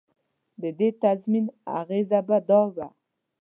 د دې تضمین اغېزه به دا وه.